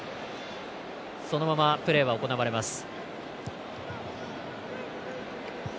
そのままプレーは行われます。